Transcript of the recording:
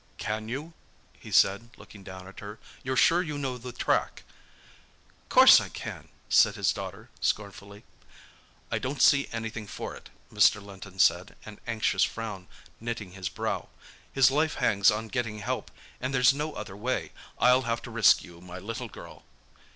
"Can you?" he said, looking down at her. "You're sure you know the track?" "Course I can," said his daughter scornfully. "I don't see anything for it," Mr. Linton said, an anxious frown knitting his brow. "His life hangs on getting help, and there's no other way, I'll have to risk you, my little girl."